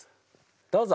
どうぞ。